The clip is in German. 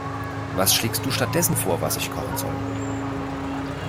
Was schlägst du stattdessen vor, was ich kochen soll?